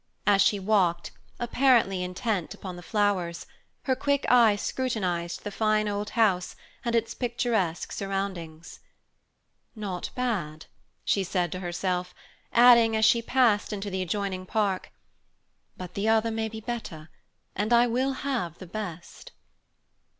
As she walked, apparently intent upon the flowers, her quick eye scrutinized the fine old house and its picturesque surroundings. "Not bad," she said to herself, adding, as she passed into the adjoining park, "but the other may be better, and I will have the best."